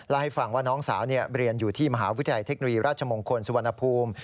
ให้ฟังว่าน้องสาวเรียนอยู่ที่มหาวิทยาลัยเทคโนโลยีราชมงคลสุวรรณภูมิ